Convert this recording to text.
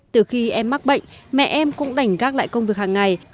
từ khi em mắc bệnh mẹ em cũng đành gác lại công việc hàng ngày